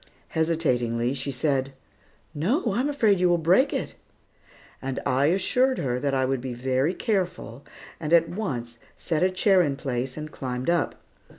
Hesitatingly, she said, "No, I am afraid you will break it." I assured her that I would be very careful, and at once set a chair in place and climbed up.